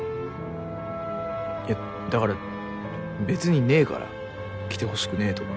いやだからべつにねぇから来てほしくねぇとか。